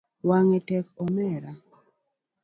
Wangu tek omera